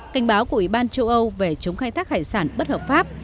cảnh báo của ủy ban châu âu về chống khai thác hải sản bất hợp pháp